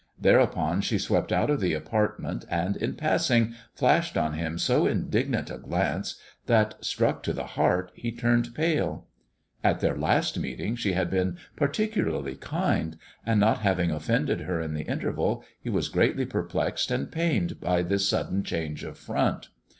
Thereupon she swept out of the apartment, and in passing flashed on him so indignant a glance that, struck to the heart, he turned pale. At their last meeting she had been particularly kind, and, not having offended her in the interval, he was greatly perplexed and pained by this sudden change of front.